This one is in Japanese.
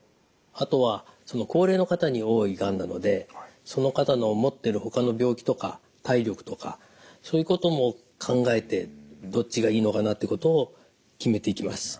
あとは高齢の方に多いがんなのでその方の持っているほかの病気とか体力とかそういうことも考えてどっちがいいのかなってことを決めていきます。